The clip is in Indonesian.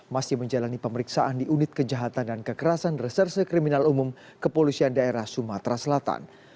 masih menjalani pemeriksaan di unit kejahatan dan kekerasan reserse kriminal umum kepolisian daerah sumatera selatan